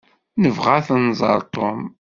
Nebɣa ad nẓer Tom.